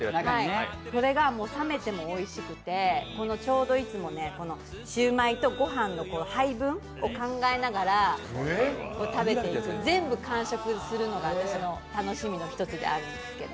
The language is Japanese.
それが冷めてもおいしくてちょうどいつもシウマイとご飯の配分を考えながら食べていく、全部完食するのが、私の楽しみの一つであるんですけど。